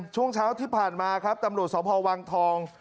ช่วงเช้าที่ผ่านมาครับตำรวจสพวังทอง